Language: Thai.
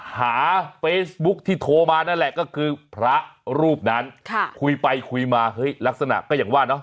เฟซบุ๊คที่โทรมานั่นแหละก็คือพระรูปนั้นคุยไปคุยมาเฮ้ยลักษณะก็อย่างว่าเนาะ